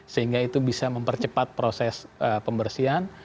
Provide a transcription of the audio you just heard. sehingga itu bisa mempercepat proses pembersihan